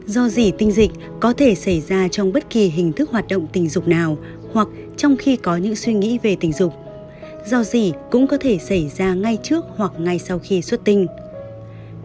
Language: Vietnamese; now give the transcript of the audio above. do gì tinh dịch có thể xảy ra trong bất kỳ hình thức hoạt động tình dục nào hoặc trong khi có những suy nghĩ về tình dục do gì cũng có thể xảy ra ngay trước hoặc ngay sau khi xuất tinh